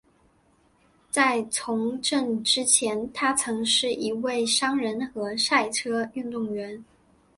在从政之前他曾是一位商人和赛车运动员。